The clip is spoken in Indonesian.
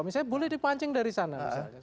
misalnya boleh dipancing dari sana